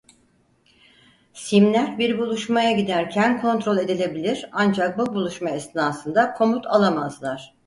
Sim'ler bir buluşmaya giderken kontrol edilebilir ancak bu buluşma esnasında komut alamazlar.